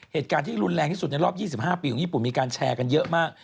เหตุการณ์ที่รุนแรงที่สุดในรอบ๒๕ปีของญี่ปุ่นมีการแชร์กันเยอะมาก